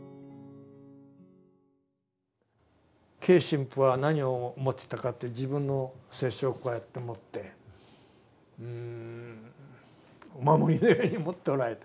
Ｋ神父は何を持ってたかって自分の聖書をこうやって持ってお守りのように持っておられた。